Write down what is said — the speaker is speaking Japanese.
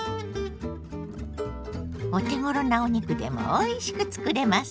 お手ごろなお肉でもおいしくつくれますよ。